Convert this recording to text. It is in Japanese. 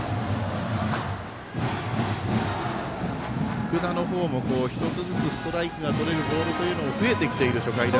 福田のほうも、１つずつストライクがとれるボールというのも増えてきている初回です。